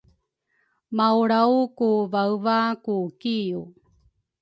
Maulraw ku vaeva ku kiu